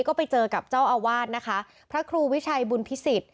ก็ไปเจอกับเจ้าอาวาสนะคะพระครูวิชัยบุญพิสิทธิ